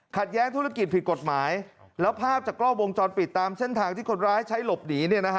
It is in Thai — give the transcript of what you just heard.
แย้งธุรกิจผิดกฎหมายแล้วภาพจากกล้องวงจรปิดตามเส้นทางที่คนร้ายใช้หลบหนี